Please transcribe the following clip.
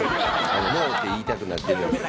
ノーって言いたくなってる。